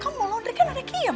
kamu ngelondriin kan ada kiem